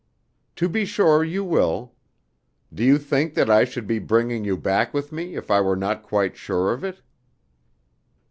"To be sure you will. Do you think that I should be bringing you back with me if I were not quite sure of it?"